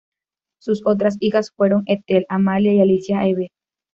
Sus otras hijas fueron Ethel, Amalia y Alicia Hebe.